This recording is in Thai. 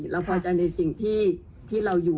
เราพอใจในสิ่งที่เราอยู่